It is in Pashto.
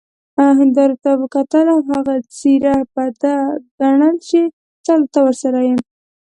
هیندارې ته کتل او هغه څیره بده ګڼل چې تل ته ورسره يې،